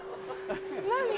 何？